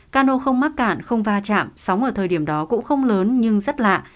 cano không mắc cạn không va chạm sóng ở thời điểm đó cũng không lớn nhưng rất lạ